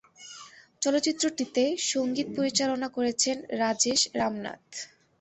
চলচ্চিত্রটিতে সঙ্গীত পরিচালনা করেছেন রাজেশ রামনাথ।